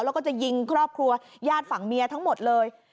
แล้วก็จะยิงครอบครัวญาติฝั่งเมียทั้งหมดเลย